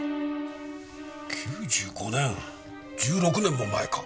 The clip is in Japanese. ９５年１６年も前か。